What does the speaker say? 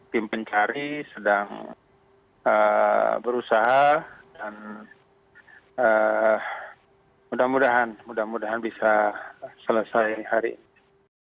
sedang mencari sedang berusaha dan mudah mudahan bisa selesai hari ini